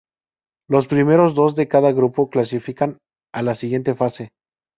Los primeros dos de cada grupo clasifican a la siguiente fase.